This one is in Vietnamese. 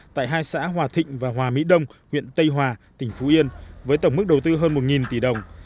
tại hai xã hòa thịnh và hòa mỹ đông huyện tây hòa tỉnh phú yên với tổng mức đầu tư hơn một tỷ đồng